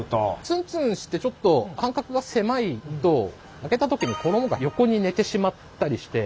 ツンツンしてちょっと間隔が狭いと揚げた時に衣が横に寝てしまったりして。